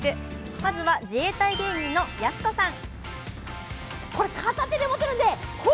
まずは自衛隊芸人のやす子さん。